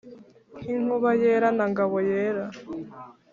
n’inkuba yera na ngabo yera